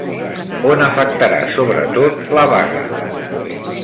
On afectarà sobretot la vaga?